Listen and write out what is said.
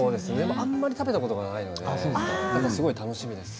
あんまり食べたことがないのですごい楽しみです。